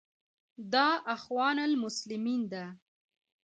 دا اخوان المسلمین ده.